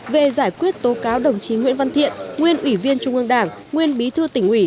về giải quyết tố cáo đồng chí nguyễn văn thiện nguyên ủy viên trung ương đảng nguyên bí thư tỉnh ủy